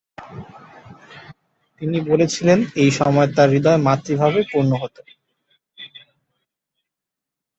তিনি বলেছিলেন, এই সময় তার হৃদয় মাতৃভাবে পূর্ণ হত।